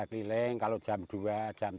ya keliling kalau jam dua jam tiga saya pulang